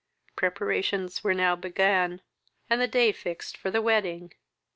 Preparations were now began, and the day fixed for the wedding.